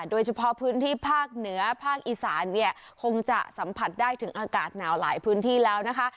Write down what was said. โดยเฉพาะพื้นที่ภาคเหนือภาคอีสานเนี่ยคงจะสัมผัสได้ถึงอากาศหนาวหลายพื้นที่แล้วนะคะ